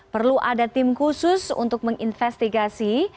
perlu ada tim khusus untuk menginvestigasi